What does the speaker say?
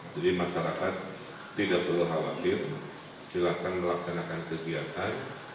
jadi masyarakat tidak perlu khawatir silakan melaksanakan kegiatan